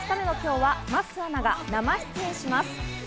５日目の今日は桝アナが生出演します。